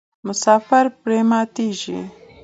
مسافر پرې ماتیږي.